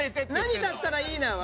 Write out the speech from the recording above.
「何だったらいいな」は？